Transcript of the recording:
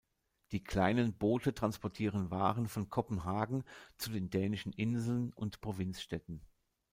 Die kleinen Boote transportierten Waren von Kopenhagen zu den dänischen Inseln und Provinzstädten.